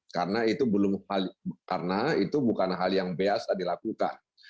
karena itu bukan hal yang biasa dilakukan